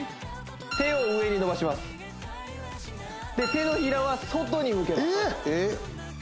手を上に伸ばしますで手のひらは外に向けます